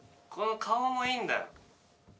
この顔もいいんだよ。